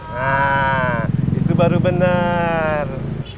nah itu baru benar